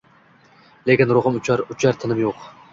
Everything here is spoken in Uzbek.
Lekin ruhim uchar, uchar, tinim yo’q